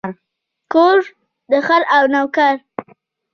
کور، خر او نوکر.